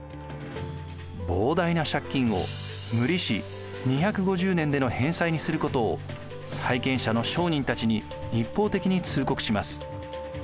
膨大な借金を無利子２５０年での返済にすることを債権者の商人たちに一方的に通告します。